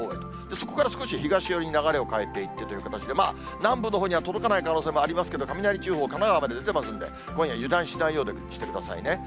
そこから少し東寄りに流れを変えていってという形で、南部のほうには届かない可能性もありますけれども、雷注意報神奈川まで出てますので、今夜、油断しないようにしてくださいね。